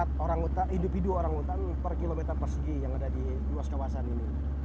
sekitar individu orang hutan per kilometer persegi yang ada di luas kawasan ini